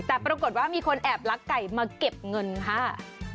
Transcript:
แต่ปรากฏว่ามีคนแอบลักไก่มาเก็บเงินค่ะ